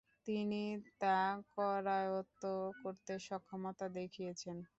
তিনি তা করায়ত্ত করতে সক্ষমতা দেখিয়েছেন।